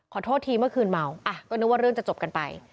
ขอโทษทีเมื่อคืนเมาอ่ะก็นึกว่าเรื่องจะจบกันไป